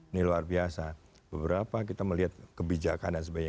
ini luar biasa beberapa kita melihat kebijakan dan sebagainya